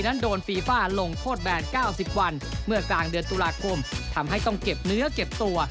กลางเดือนตุลาคมทำให้ต้องเก็บเนื้อเก็บตัว